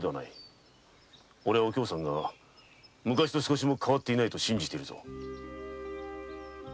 おれはお京さんが昔と少しも変わっていないと信じているぞ。